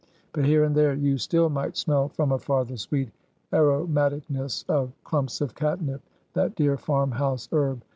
But here and there you still might smell from far the sweet aromaticness of clumps of catnip, that dear farm house herb.